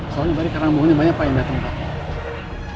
soalnya tadi karangan bunganya banyak yang dateng pak